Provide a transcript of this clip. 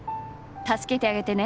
助けてあげてネ。